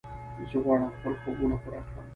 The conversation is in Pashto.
زه غواړم خپل خوبونه پوره کړم.